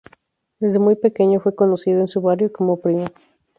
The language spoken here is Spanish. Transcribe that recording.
Desde muy pequeño fue conocido en su barrio como "primo".